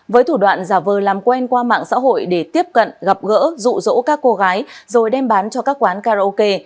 với thủ đoạn giả vờ làm quen qua mạng xã hội để tiếp cận gặp gỡ dụ dỗ các cô gái rồi đem bán cho các quán karaoke